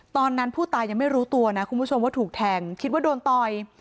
ตอนนั้นผู้ตายยังไม่รู้ตัวนะคุณผู้ชมว่าถูกแทงคิดว่าโดนต่อย